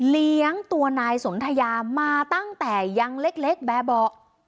เลี้ยงตัวนายสนทยามาตั้งแต่ยังเล็กแบบเบาะ